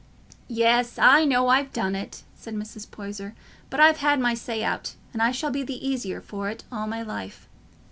"Yes, I know I've done it," said Mrs. Poyser; "but I've had my say out, and I shall be th' easier for't all my life.